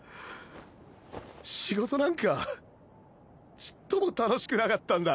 仕事なんかちっとも楽しくなかったんだ。